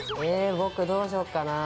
僕どうしよっかな。